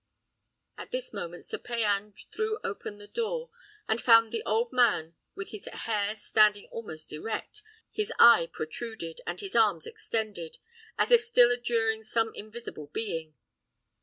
At this moment Sir Payan threw open the door, and found the old man with his hair standing almost erect, his eye protruded, and his arms extended, as if still adjuring some invisible being.